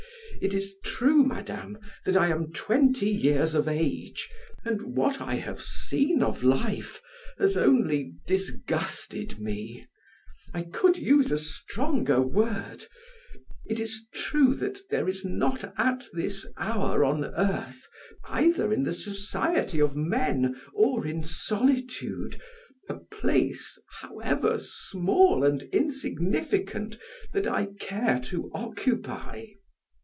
It is true, madame, that I am twenty years of age and what I have seen of life has only disgusted me, I could use a stronger word; it is true that there is not at this hour on earth, either in the society of men or in solitude, a place, however small and insignificant, that I care to occupy.